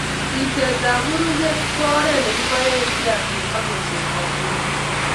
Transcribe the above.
Ripsetab buruket ko oret ne kiboei kiyakik ak kolsetab ketik